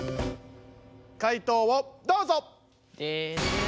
解答をどうぞ！